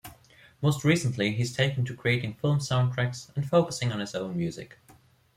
Most recently he's taken to creating film soundtracks, and focusing on his own music.